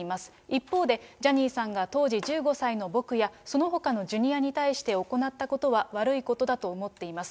一方でジャニーさんが当時１５歳の僕やそのほかのジュニアに対して行ったことは悪いことだと思っています。